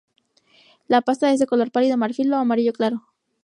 La pasta es de color pálido, marfil o amarillo claro.